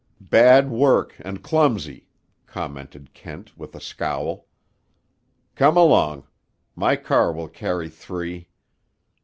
"Bad work and clumsy," commented Kent with a scowl. "Come along. My car will carry three.